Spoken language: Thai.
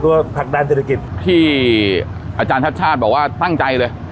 ผลักดันเศรษฐกิจที่อาจารย์ชาติชาติบอกว่าตั้งใจเลย